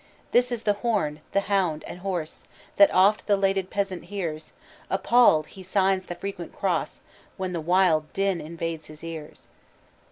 "This is the horn, the hound, and horse, That oft the lated peasant hears: Appall'd, he signs the frequent cross, When the wild din invades his ears."